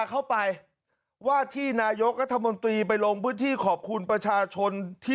เข้าไปว่าที่นายกรัฐมนตรีไปลงพื้นที่ขอบคุณประชาชนที่